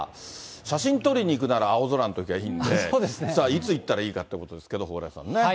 写真撮りに行くなら、青空のときがいいんで、さあいつ行ったらいいかということですけどね、蓬莱さんね。